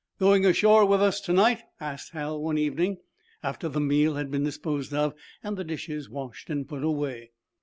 "Going ashore with us to night!" asked Hal, one evening, after the meal had been disposed of and the dishes washed and put away.